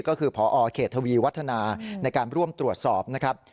ก็คือพอเขตทวีวัฒนาในการร่วมตรวจสอบนะครับ